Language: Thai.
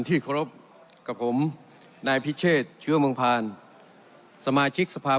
ที่ครบกับผมนายพิเชตเชื้อมพานสมาชิกสภาพ